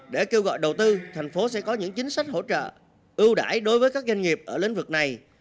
để kêu gọi đầu tư thành phố sẽ có những chính sách hỗ trợ ưu đại đối với các doanh nghiệp ở lĩnh vực này